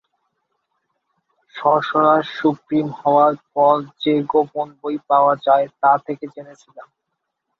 সর্সারার supreme হওয়ার পর যে গোপন বই পাওয়া যায় তা থেকে জেনেছিলাম।